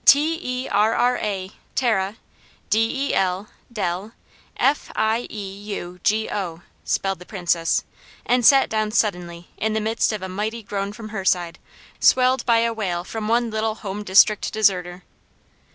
"T e r r a, Terra, d e l, del, F i e u g o," spelled the Princess, and sat down suddenly in the midst of a mighty groan from her side, swelled by a wail from one little home district deserter.